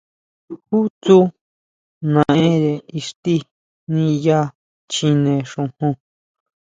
¿Jú tsú naʼenre ixtí niʼya chjine xojon?